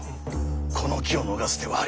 この機を逃す手はありませんぞ。